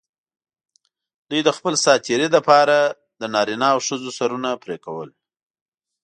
دوی د خپل سات تېري لپاره د نارینه او ښځو سرونه پرې کول.